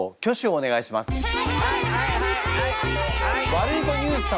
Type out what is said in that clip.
ワルイコニュース様。